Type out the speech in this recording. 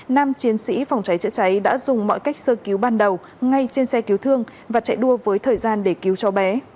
nam chiến sĩ phòng cháy chữa cháy đã dùng mọi cách sơ cứu ban đầu ngay trên xe cứu thương và chạy đua với thời gian để cứu cho bé